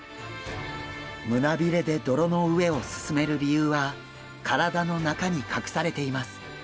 胸びれで泥の上を進める理由は体の中に隠されています。